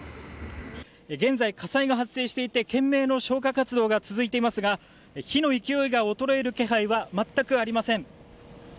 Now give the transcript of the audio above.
現在、火災が発生していて懸命な消火活動が続いていますが火の勢いが衰える気配は全くありません。